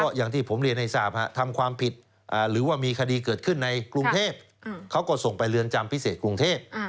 อย่างที่ผมเรียนให้ทราบทำความผิดหรือว่ามีคดีเกิดขึ้นในกรุงเทพเขาก็ส่งไปเรือนจำพิเศษกรุงเทพ